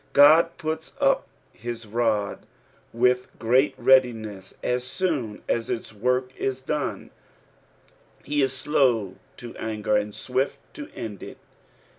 God puts up his rod with tfreat readiness as soon as its work is done ; he is slow to anger and swift to end it.